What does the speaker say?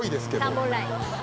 ３本ライン。